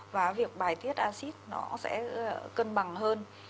và việc bài tiết acid nó sẽ cân bằng hơn